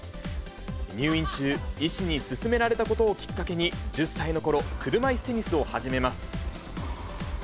入院中、医師に勧められたことをきっかけに、１０歳のころ、車いすテニスを始めます。